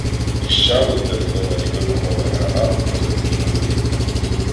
Тріщали здетоновані вибухами гранат розривні кулі.